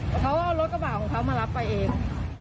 แต่เขาก็เอารถกระบาดของเขามารับไปเอง